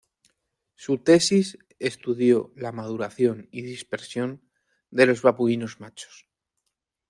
Su tesis estudió la maduración y dispersión de los babuinos machos.